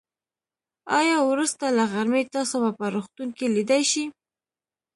آيا وروسته له غرمې تاسو ما په روغتون کې ليدای شئ.